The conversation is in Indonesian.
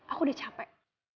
aku udah capek